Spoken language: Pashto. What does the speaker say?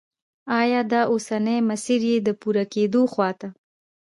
آیا دا اوسنی مسیر یې د پوره کېدو خواته